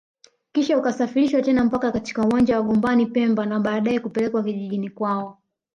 kisha ukasafirishwa tena mpaka katika uwanja wa Gombani pemba na baadae kupelekwa kijijini kwaoa